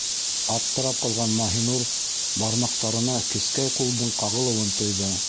- Аптырап ҡалған Маһинур бармаҡтарына кескәй ҡулдың ҡағылыуын тойҙо.